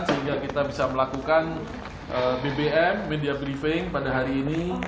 sehingga kita bisa melakukan bbm media briefing pada hari ini